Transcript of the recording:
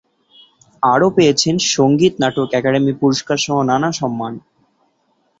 আরো পেয়েছেন সংগীত নাটক একাডেমি পুরস্কার-সহ নানা সম্মান।